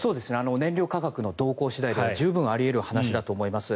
燃料価格の動向次第ではあり得る話だと思います。